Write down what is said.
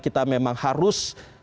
kita memang harus